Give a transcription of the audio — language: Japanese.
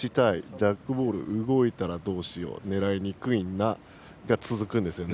ジャックボールが動いたらどうしよう狙いにくいなが続くんですね